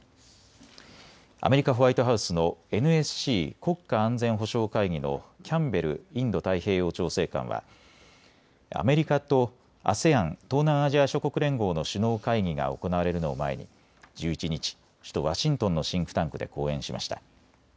アメリカ・ホワイトハウスのＮＳＣ・国家安全保障会議のキャンベルインド太平洋調整官はアメリカとＡＳＥＡＮ・東南アジア諸国連合の首脳会議が行われるのを前に１１日、首都ワシントンのシンクタンクで講演しました。